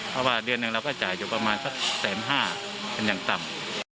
เพราะว่าเดือนหนึ่งเราก็จ่ายอยู่ประมาณสักแสนห้าเป็นอย่างต่ำ